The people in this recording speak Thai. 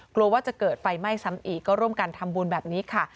กลัวว่าจะเกิดไฟไหม้ซ้ำอีกก็ร่วมกันทำบุญแบบนี้ค่ะ